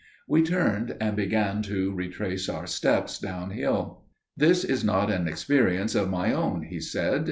We turned and began to retrace our steps downhill. "This is not an experience of my own," he said.